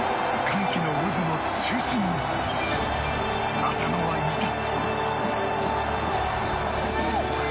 歓喜の渦の中心に浅野はいた。